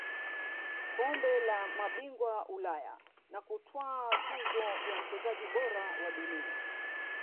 kombe la mabingwa Ulaya na kutwaa tuzo ya mchezaji bora wa dunia